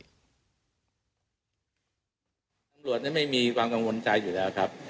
ตำรวจไม่มีความกังวลใจอยู่แล้วครับ